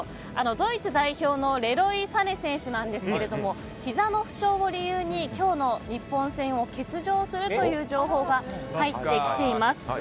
ドイツ代表のレロイ・サネ選手がひざの負傷を理由に今日の日本戦を欠場するという情報が入ってきています。